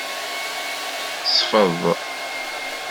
Sfeḍ.